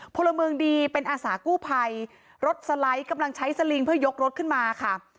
พลเมืองดีเป็นอาสากู้ภัยรถสไลด์กำลังใช้สลิงเพื่อยกรถขึ้นมาค่ะ